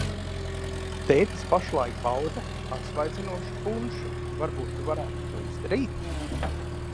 Tētis pašlaik bauda atsvaidzinošu punšu, varbūt tu varētu to izdarīt?